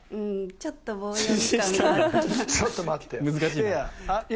ちょっと待ってよ。